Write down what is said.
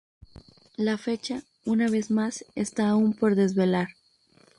La fecha, una vez más, está aún por desvelar.